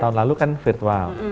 tahun lalu kan virtual